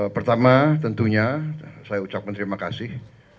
pertama tentunya saya ucapkan terima kasih